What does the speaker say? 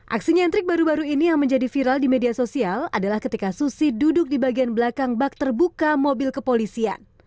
aksi nyentrik baru baru ini yang menjadi viral di media sosial adalah ketika susi duduk di bagian belakang bak terbuka mobil kepolisian